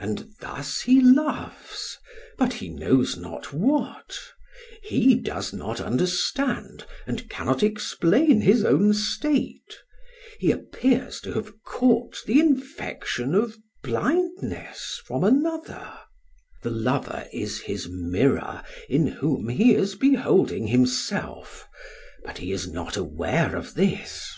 And thus he loves, but he knows not what; he does not understand and cannot explain his own state; he appears to have caught the infection of blindness from another; the lover is his mirror in whom he is beholding himself, but he is not aware of this.